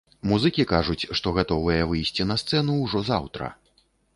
Музыкі кажуць, што гатовыя выйсці на сцэну ўжо заўтра.